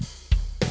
terima kasih bang